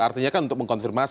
artinya kan untuk mengkonfirmasi